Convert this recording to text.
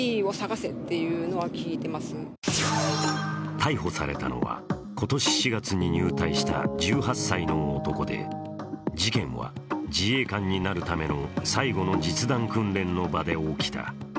逮捕されたのは今年４月に入隊した１８歳の男で事件は自衛官になるための最後の実弾訓練の場で起きた。